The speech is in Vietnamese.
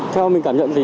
theo mình cảm nhận thì